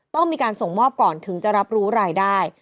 ต้องมีการส่งมอบก่อนถึงจะรับรู้รายได้